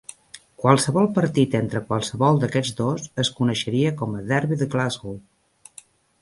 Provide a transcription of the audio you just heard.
Qualsevol partit entre qualsevol d'aquests dos es coneixeria com a derbi de Glasgow.